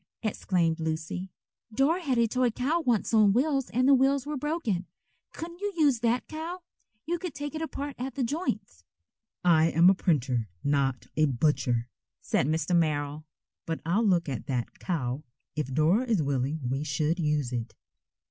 exclaimed Lucy, "Dora had a toy cow once on wheels and the wheels were broken. Couldn't you use that cow? You could take it apart at the joints." "I am a printer, not a butcher," said Mr. Merrill, "but I'll look at that cow, if Dora is willing we should use it."